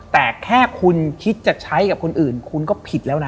แต่แค่คุณคิดจะใช้กับคนอื่นคุณก็ผิดแล้วนะ